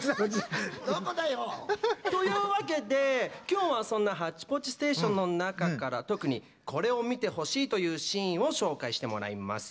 どこだよ。というわけで今日はそんな「ハッチポッチステーション」の中から特にこれを見てほしいというシーンを紹介してもらいます。